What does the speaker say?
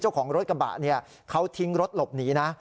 เจ้าของรถกระบะเนี่ยเขาทิ้งรถหลบหนีนะ